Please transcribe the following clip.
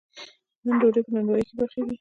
نن ډوډۍ په نانواییو کې پخیږي.